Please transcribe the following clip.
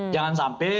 jangan sampai pilihan